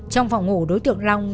trong phòng ngủ đối tượng long